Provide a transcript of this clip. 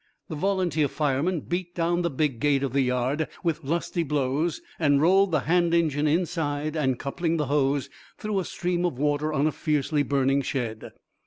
The volunteer firemen beat down the big gate of the yard with lusty blows and rolled the hand engine inside and, coupling the hose, threw a stream of water on a fiercely burning shed.